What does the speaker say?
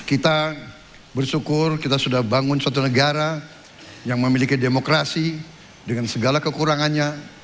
kita bersyukur kita sudah bangun suatu negara yang memiliki demokrasi dengan segala kekurangannya